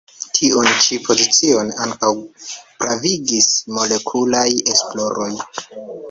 Tiun ĉi pozicion ankaŭ pravigis molekulaj esploroj.